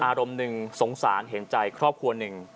อารมณ์หนึ่งสงสารเห็นใจครอบครัวหนึ่ง